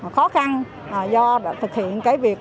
khó khăn do thực hiện cái việc